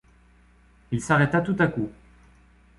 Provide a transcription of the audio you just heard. Il s’arrêta tout à coup.